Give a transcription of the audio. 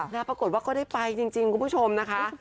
แล้วปรากฏว่าก็ได้ไปจริงคุณผู้ชมนะคะ